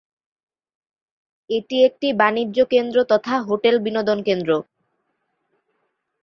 এটি একটি বাণিজ্যকেন্দ্র তথা হোটেল-বিনোদন কেন্দ্র।